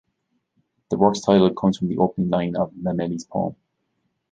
The work's title comes from the opening line of Mameli's poem.